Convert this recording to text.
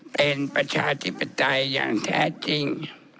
เป็นประชาธิปไตยอย่างแท้จริง